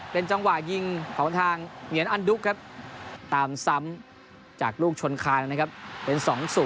เป็นจังหวะยิงของทางเหงียนอันดุครับตามซ้ำจากลูกชนคานนะครับเป็น๒๐